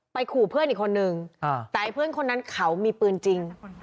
ขู่เพื่อนอีกคนนึงแต่ไอ้เพื่อนคนนั้นเขามีปืนจริง